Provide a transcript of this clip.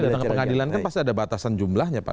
datang ke pengadilan kan pasti ada batasan jumlahnya pak